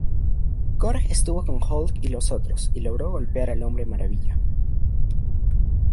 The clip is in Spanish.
Korg estuvo con Hulk y los otros y logró golpear al Hombre Maravilla.